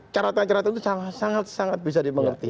caratan caratan itu sangat sangat bisa dimengerti